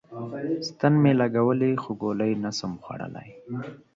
ستن می لګولی خو ګولی نسم خوړلای